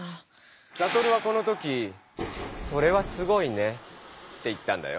サトルはこの時「それはすごいね」って言ったんだよ。